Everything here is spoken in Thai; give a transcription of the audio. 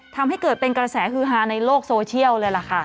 ทำให้เกิดเป็นกระแสฮือฮาในโลกโซเชียลเลยล่ะค่ะ